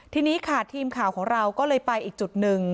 ทีนี้ค่ะทีมข่าวของเราก็เลยไปอีกจุดหนึ่ง